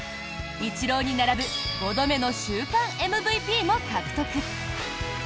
イチローに並ぶ５度目の週間ＭＶＰも獲得！